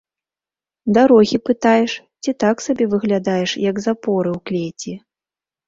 Дарогі пытаеш ці так сабе выглядаеш, як запоры ў клеці?